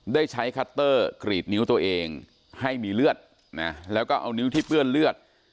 ได้ใช้คัตเตอร์กรีดนิ้วตัวเองให้มีเลือดนะแล้วก็เอานิ้วที่เปื้อนเลือด